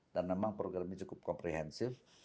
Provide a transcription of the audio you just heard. dan memang program ini cukup komprehensif